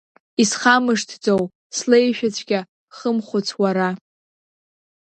Исхамшҭӡо слеишәацәгьа хымхәыц уара!